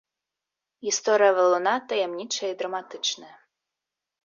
Гісторыя валуна таямнічая і драматычная.